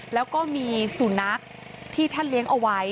แล้วก็มีสุนัขที่ท่านเลี้ยงเอาไว้